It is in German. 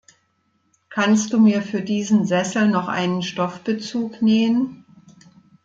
Kannst du mir für diesen Sessel noch einen Stoffbezug nähen?